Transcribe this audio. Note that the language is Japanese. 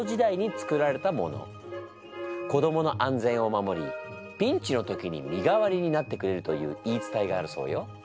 子どもの安全を守りピンチの時に身代わりになってくれるという言い伝えがあるそうよ。